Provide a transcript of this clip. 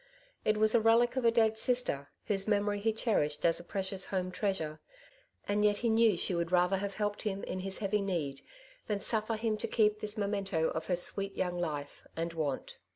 It was a relic of a dead sister, whose memory he cherished as a precious home treasure ; and yet he knew she would rather have helped him in his heavy need, than suffer him to keep this memento of her sweet young life, and want.